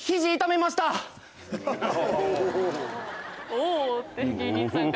「おお」って芸人さんから。